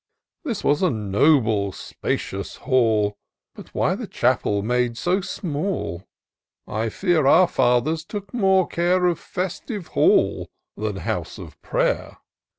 This was a noble spacious hall. But why the chapel made so small ? I fear our fathers took more care Of festive hall than house of prayer.